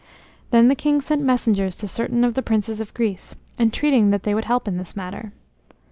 Then the king sent messengers to certain of the princes of Greece, entreating that they would help in this matter.